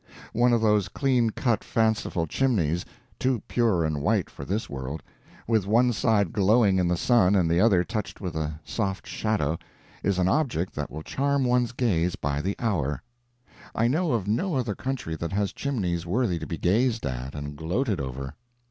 One of those clean cut, fanciful chimneys too pure and white for this world with one side glowing in the sun and the other touched with a soft shadow, is an object that will charm one's gaze by the hour. I know of no other country that has chimneys worthy to be gazed at and gloated over.